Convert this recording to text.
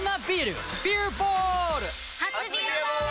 初「ビアボール」！